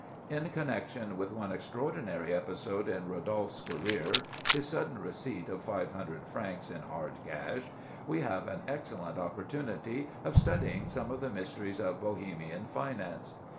In connection with one extraordinary episode in Rodolphe's career—his sudden receipt of five hundred francs in hard cash—we have an excellent opportunity of studying some of the mysteries of Bohemian finance.